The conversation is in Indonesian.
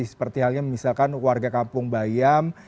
seperti halnya misalkan warga kampung bayam